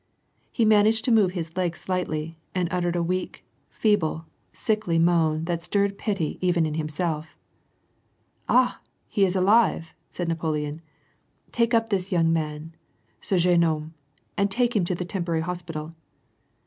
He managed to move his I slightly and uttered a weak, feeble, sickly moan that sti pity even in himself. *^ Ah ! he is alive I " said Napoleon. *' Take up this young man — ce jeune homme — and take him to the temponuy hos pital."